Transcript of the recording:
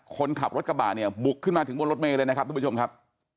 คนขับรถกระบะเนี่ยบุกขึ้นมาถึงบนรถเมย์เลยนะครับทุกผู้ชมครับ